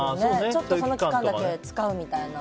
ちょっとその期間だけ使うみたいな。